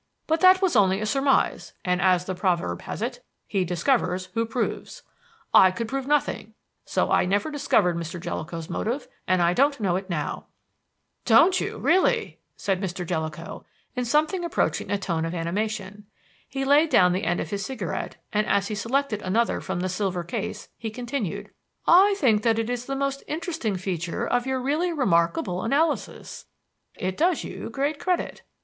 But that was only a surmise; and, as the proverb has it, 'He discovers who proves.' I could prove nothing, so that I never discovered Mr. Jellicoe's motive, and I don't know it now." "Don't you really?" said Mr. Jellicoe, in something approaching a tone of animation. He laid down the end of his cigarette, and, as he selected another from the silver case, he continued: "I think that is the most interesting feature of your really remarkable analysis. It does you great credit.